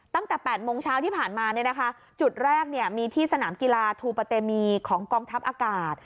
ตั้งแต่๘โมงเช้าที่ผ่านมาเนี่ยนะคะจุดแรกมีที่สนามกีฬาทูปะเตมีของกองทัพอากาศ